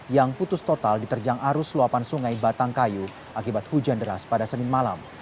yang putus total diterjang arus luapan sungai batang kayu akibat hujan deras pada senin malam